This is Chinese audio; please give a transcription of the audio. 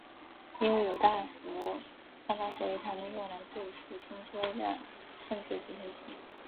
因为有大幅放大所以还能用来对付轻车辆甚至直升机。